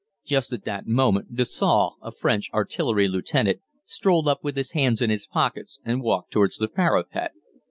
Just at that moment Dessaux, a French artillery lieutenant, strolled up with his hands in his pockets and walked towards the parapet.